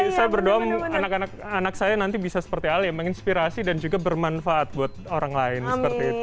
jadi saya berdoa anak anak saya nanti bisa seperti alia menginspirasi dan juga bermanfaat buat orang lain seperti itu